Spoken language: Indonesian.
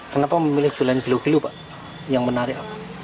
kenapa memilih jualan gilo gilo pak yang menarik apa